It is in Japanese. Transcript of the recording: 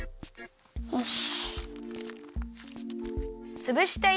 よし。